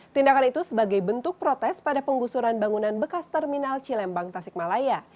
tindakan itu sebagai bentuk protes pada penggusuran bangunan bekas terminal cilembang tasikmalaya